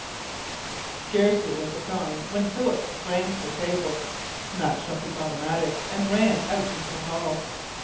Scarcely was it gone when Philip sprang to the table, snatched up his automatic, and ran out into the hall.